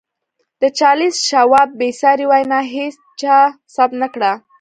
د چارليس شواب بې ساري وينا هېچا ثبت نه کړه.